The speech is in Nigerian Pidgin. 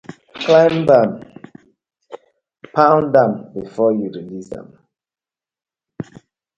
Climb am, pound am befor yu release am.